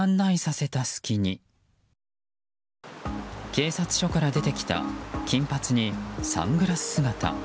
警察署から出てきた金髪にサングラス姿。